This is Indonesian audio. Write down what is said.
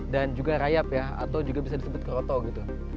juga rayap ya atau juga bisa disebut kroto gitu